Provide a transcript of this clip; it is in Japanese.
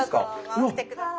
回してください。